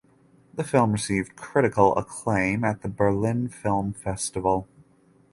The film received critical acclaim at the Berlin Film Festival.